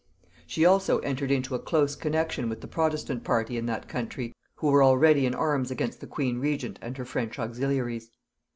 She also entered into a close connexion with the protestant party in that country, who were already in arms against the queen regent and her French auxiliaries.